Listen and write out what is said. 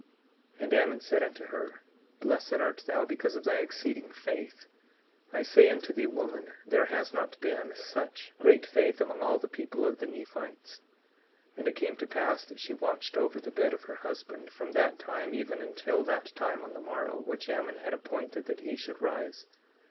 19:10 And Ammon said unto her: Blessed art thou because of thy exceeding faith; I say unto thee, woman, there has not been such great faith among all the people of the Nephites. 19:11 And it came to pass that she watched over the bed of her husband, from that time even until that time on the morrow which Ammon had appointed that he should rise.